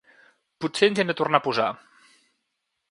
Potser ens hi hem de tornar a posar.